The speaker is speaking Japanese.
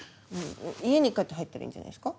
家に帰って入ったらいいんじゃないですか？